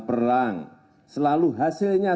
perang selalu hasilnya